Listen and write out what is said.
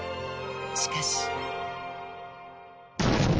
しかし。